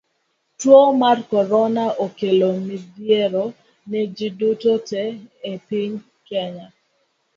Tuo mar korona okelo midhiero ne ji duto te e piny Kenya.